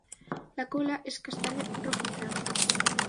La cola es castaña rojiza.